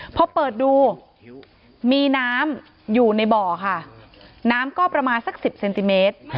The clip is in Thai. พอเปิดดูมีน้ำอยู่ในบ่อค่ะน้ำก็ประมาณสัก๑๐เซนติเมตร